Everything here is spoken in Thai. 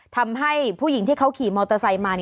ทำให้ผู้หญิงที่เขาขี่มอเตอร์ไซค์มา